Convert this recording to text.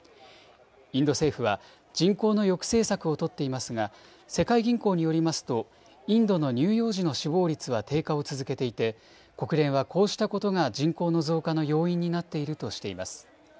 インド政府は人口の抑制策を取っていますが世界銀行によりますとインドの乳幼児の死亡率は低下を続けていて国連はこうしたことが人口の増加の要因になっているとしています。